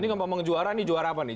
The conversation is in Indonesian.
ini ngomong juara nih juara apa nih